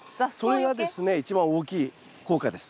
それがですね一番大きい効果です。